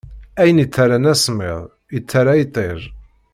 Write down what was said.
Ayen ittaran asemmiḍ, ittara iṭij.